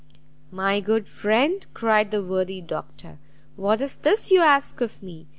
"My good friend," cried the worthy Doctor, "what is this you ask of me?